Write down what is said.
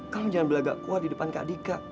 kamu jangan berlagak kuat di depan kak dika